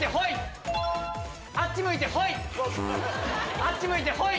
あっち向いてホイ！